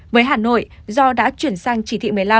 với hà nội do đã chuyển sang chỉ thị một mươi năm